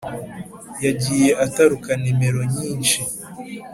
yagiye ataruka nimero nyinshi